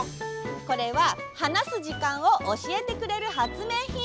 これははなすじかんをおしえてくれるはつめいひん。